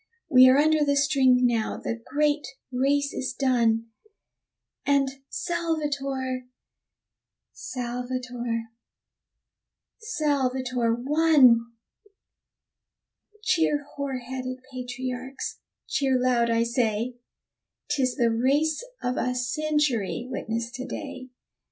We are under the string now the great race is done, And Salvator, Salvator, Salvator won! Cheer, hoar headed patriarchs; cheer loud, I say. 'Tis the race of a century witnessed to day!